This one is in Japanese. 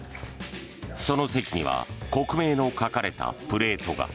その席には国名の書かれたプレートが。